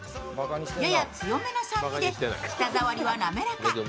やや強めな酸味で舌触りはなめらか。